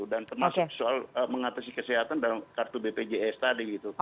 dan termasuk soal mengatasi kesehatan dalam kartu bpjs tadi